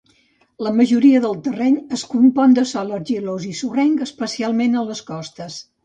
La majoria del terreny es compon de sòl argilós i sorrenc, especialment a les costes.